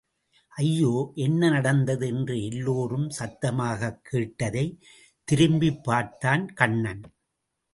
ஐயோ என்ன நடந்தது? என்று எல்லோரும் சத்தமாகக் கேட்டதைத் திரும்பிப் பார்த்தான் கண்ணன்.